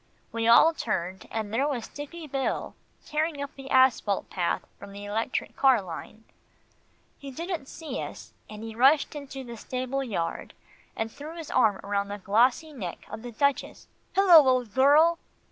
We all turned, and there was Dicky Bill tearing up the asphalt path from the electric car line. He didn't see us, and he rushed into the stable yard, and threw his arm round the glossy neck of the Duchess "Hello! old girl."